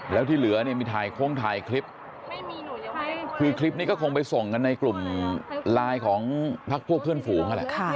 แล้วที่เหลือเนี่ยมีถ่ายโค้งถ่ายคลิปคือคลิปนี้ก็คงไปส่งกันในกลุ่มไลน์ของพักพวกเพื่อนฝูงนั่นแหละ